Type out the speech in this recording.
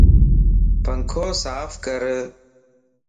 پنکو صاف ڪر